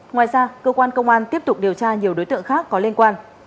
ngoài ra cơ quan công an tiếp tục điều tra nhiều đối tượng khác có liên quan